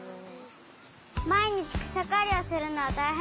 まいにちくさかりをするのはたいへんですか？